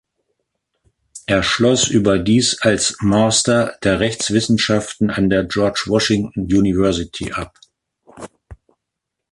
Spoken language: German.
Er schloss überdies als Master der Rechtswissenschaften an der George Washington University ab.